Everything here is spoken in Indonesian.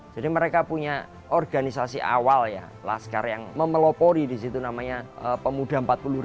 jadi mereka punya organisasi awal laskar yang memelopori di situ namanya pemuda empat puluh